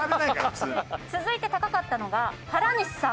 続いて高かったのが原西さん。